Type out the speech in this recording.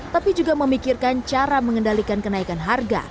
tapi juga memikirkan cara mengendalikan kenaikan harga